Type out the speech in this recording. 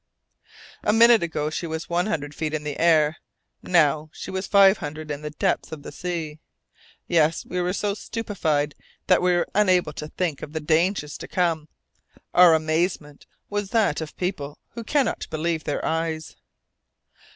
A minute ago she was one hundred feet in the air, now she was five hundred in the depths of the sea! Yes, we were so stupefied that we were unable to think of the dangers to come our amazement was that of people who "cannot believe their eyes."